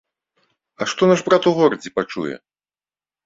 А што наш брат у горадзе пачуе?